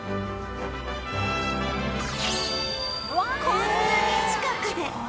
こんなに近くで！